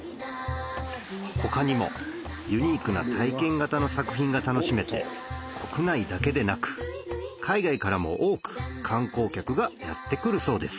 他にもユニークな体験型の作品が楽しめて国内だけでなく海外からも多く観光客がやって来るそうです